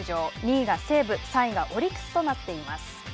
２位が西武、３位がオリックスとなっています。